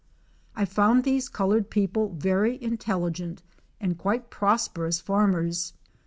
I found these colored people very intelligent and quite prosperous farm ers.